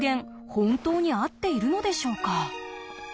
本当に合っているのでしょうか？